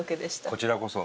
こちらこそ。